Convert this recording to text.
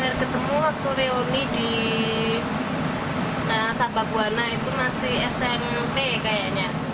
akhirnya ketemu waktu reuni di sabah buana itu masih smp kayaknya